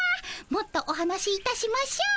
もっとお話しいたしましょう。